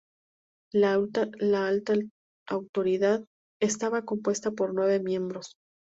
La Alta Autoridad estaba compuesta por nueve miembros.